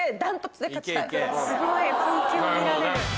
すごい本気を見られる。